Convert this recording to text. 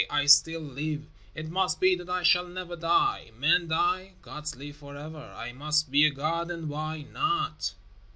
I still live. It must be that I shall never die. Men die. Gods live for ever. I must be a god, and why not?"